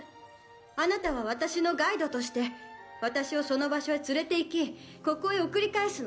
あなたは私のガイドとして私をその場所に連れて行きここへ送り返すの。